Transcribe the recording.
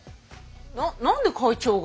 な何で会長が？